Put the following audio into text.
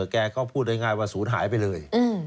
แกก็พูดง่ายว่าศูนย์หายไปเลย